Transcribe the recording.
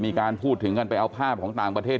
มีการพูดถึงกันไปเอาภาพของต่างประเทศ